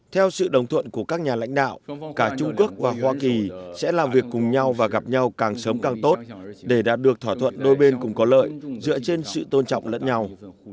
theo sự đồng thuận của các nhà lãnh đạo cả trung quốc và hoa kỳ sẽ làm việc cùng nhau và gặp nhau càng sớm càng tốt để đạt được thỏa thuận đôi bên cùng có lợi dựa trên sự tôn trọng lẫn nhau